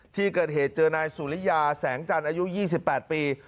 ที่เกิดเหตุเจอนายสุริยาแสงจันทร์อายุ๒๘ปี